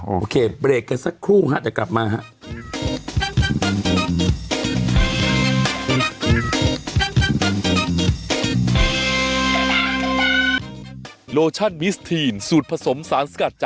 โอเคเบรกกันสักครู่ฮะเดี๋ยวกลับมาฮะ